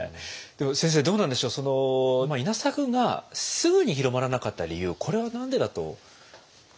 でも先生どうなんでしょう稲作がすぐに広まらなかった理由これは何でだと？